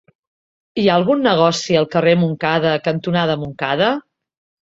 Hi ha algun negoci al carrer Montcada cantonada Montcada?